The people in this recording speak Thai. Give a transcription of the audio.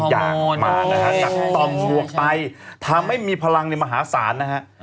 จากตอนหวกไตทำให้มีพลังในมหาศาลนะครับ